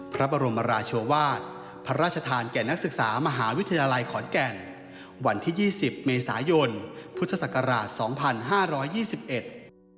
พระบรมราชวาสพระราชทานแก่นักศึกษามหาวิทยาลัยขอนแก่นวันที่๒๐เมษายนพุทธศักราช๒๕๒๑